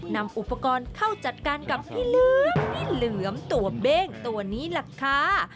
นำอุปกรณ์เข้าจัดการกับพี่ลูกพี่เหลือมตัวเบ้งตัวนี้ล่ะค่ะ